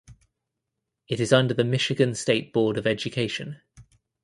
It is under the Michigan State Board of Education.